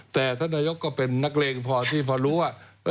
แต่ท่านนายกก็เป็นนักเลงพอที่พอรู้ว่า